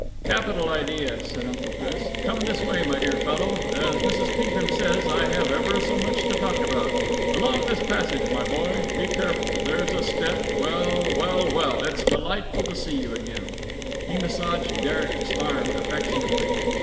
"Capital idea!" said Uncle Chris. "Come this way, my dear fellow. As Mrs. Peagrim says, I have ever so much to talk about. Along this passage, my boy. Be careful. There's a step. Well, well, well! It's delightful to see you again!" He massaged Derek's arm affectionately.